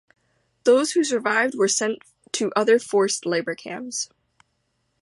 Those who survived were sent to other forced labour camps.